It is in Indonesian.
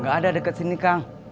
gak ada dekat sini kang